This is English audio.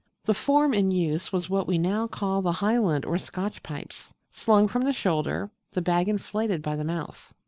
The form in use was what we now call the Highland or Scotch pipes slung from the shoulder: the bag inflated by the mouth.